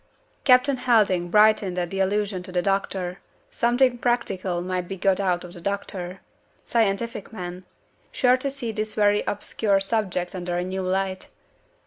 Captain Helding brightened at the allusion to the doctor. Something practical might be got out of the doctor. Scientific man. Sure to see this very obscure subject under a new light.